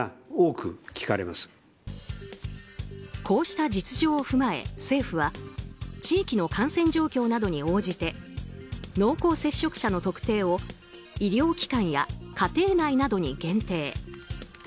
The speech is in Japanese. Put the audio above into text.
こうした実情を踏まえ政府は地域の感染状況などに応じて濃厚接触者の特定を医療機関や家庭内などに限定。